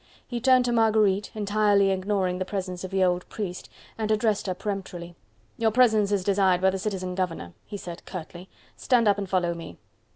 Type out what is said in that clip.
He turned to Marguerite, entirely ignoring the presence of the old priest, and addressed her peremptorily. "Your presence is desired by the citizen governor," he said curtly; "stand up and follow me."